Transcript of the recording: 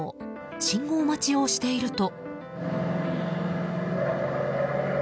信号待ちをしていると。